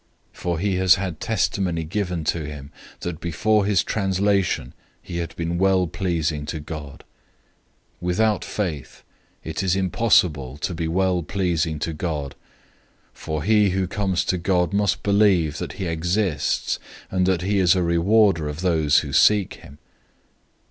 For he has had testimony given to him that before his translation he had been well pleasing to God. 011:006 Without faith it is impossible to be well pleasing to him, for he who comes to God must believe that he exists, and that he is a rewarder of those who seek him.